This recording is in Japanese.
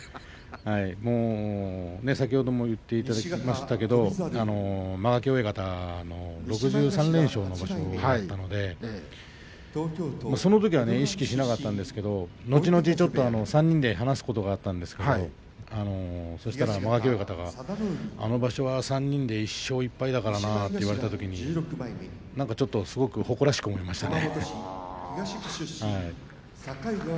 先ほども言っていただきましたけれども間垣親方６３連勝の場所だったのでそのときは意識しなかったんですけど、のちのち３人で話すことがあったんですけれど間垣親方があの場所は３人で１勝１敗だからなと言われたときになんかちょっと誇らしく思いましたね。